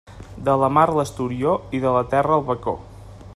De la mar l'esturió i de la terra el bacó.